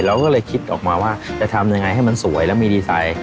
เราก็เลยคิดออกมาว่าจะทำยังไงให้มันสวยแล้วมีดีไซน์